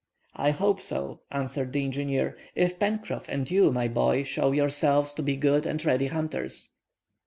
"I hope so," answered the engineer, "if Pencroff and you, my boy, show yourselves to be good and ready hunters."